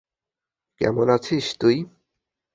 কেমন আছিস তুই?